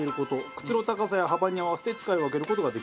靴の高さや幅に合わせて使い分ける事ができる。